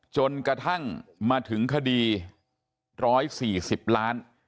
จนกระทั่งมาถึงคดี๑๔๐ล้าน